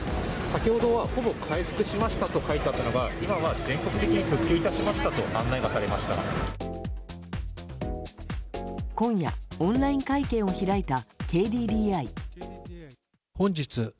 先ほどは、ほぼ回復しましたと書いてあったのが今は全国的に復旧致しましたと今夜、オンライン会見を開いたＫＤＤＩ。